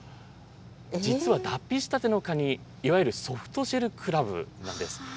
実は脱皮したてのカニ、いわゆるソフトシェルクラブなんです。